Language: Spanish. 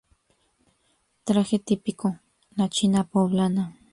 Traje típico: La China Poblana.